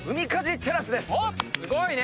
すごいね！